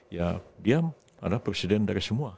ya dia adalah presiden dari semua